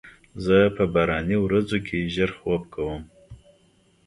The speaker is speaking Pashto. زه په باراني ورځو کې ژر خوب کوم.